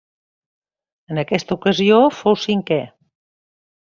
En aquesta ocasió fou cinquè.